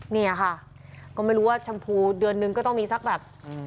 เนี่ยค่ะก็ไม่รู้ว่าชมพูเดือนนึงก็ต้องมีสักแบบ